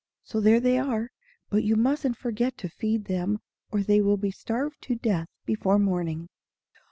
So there they are; but you mustn't forget to feed them, or they will be starved to death before morning."